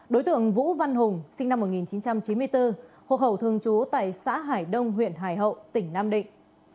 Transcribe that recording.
đối tượng vũ văn hùng sinh năm một nghìn chín trăm chín mươi bốn hộ khẩu thường trú tại xã hải đông huyện hải hậu tỉnh nam định